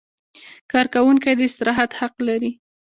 کارکوونکی د استراحت حق لري.